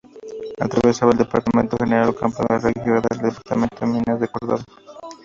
Atravesaba el departamento General Ocampo en La Rioja, y el departamento Minas en Córdoba.